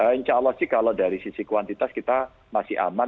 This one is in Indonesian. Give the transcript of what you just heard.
insya allah sih kalau dari sisi kuantitas kita masih aman